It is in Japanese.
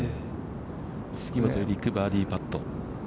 杉本エリック、バーディーパット。